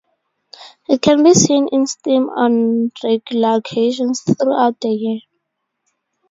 It can be seen in steam on regular occasions throughout the year.